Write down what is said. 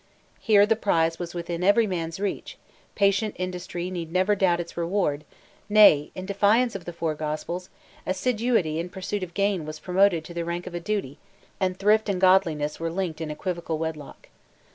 Here the prize was within every man's reach: patient industry need never doubt its reward; nay, in defiance of the four Gospels, assiduity in pursuit of gain was promoted to the rank of a duty, and thrift and godliness were linked in equivocal wedlock.